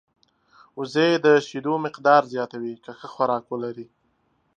وزې د شیدو مقدار زیاتوي که ښه خوراک ولري